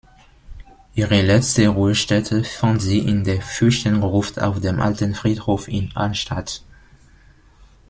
Ihre letzte Ruhestätte fand sie in der "Fürstengruft" auf dem Alten Friedhof in Arnstadt.